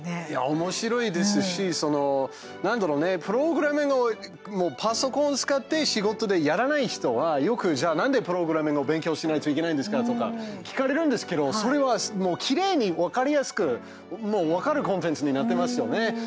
おもしろいですしなんだろうねプログラミング、パソコン使って仕事でやらない人はよくじゃあなんでプログラミングを勉強しないといけないんですかとか聞かれるんですけどそれはもうきれいに分かりやすくもう分かるコンテンツになってますよね。